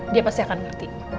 dia pasti akan ngerti